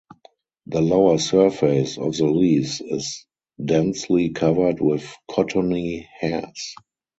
The lower surface of the leaves is densely covered with cottony hairs.